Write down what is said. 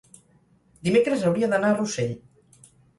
Dimecres hauria d'anar a Rossell.